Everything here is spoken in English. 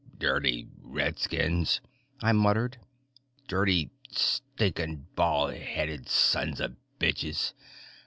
"Dirty redskins," I muttered. "Dirty, stinking, bald headed, sons of bitches.